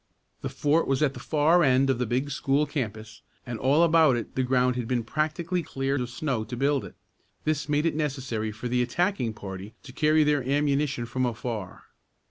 The fort was at the far end of the big school campus, and all about it the ground had been practically cleared of snow to build it. This made it necessary for the attacking party to carry their ammunition from afar.